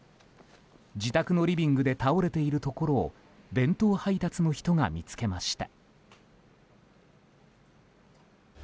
自宅のリビングで倒れているところを弁当配達の人が見つけました。